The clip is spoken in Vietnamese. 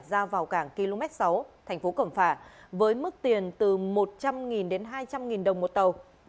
ra vào cảng km sáu thành phố cẩm phả với mức tiền từ một trăm linh đến hai trăm linh đồng một tàu